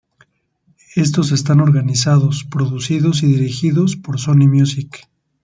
Estos están organizados, producidos y dirigidos por Sony Music.